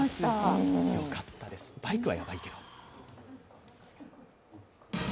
バイクはやばいけど。